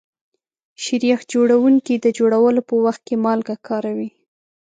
شیریخ جوړونکي د جوړولو په وخت کې مالګه کاروي.